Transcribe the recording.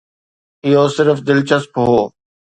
اهو صرف دلچسپ هو